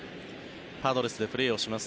パドレスでプレーします